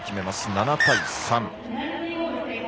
７対３。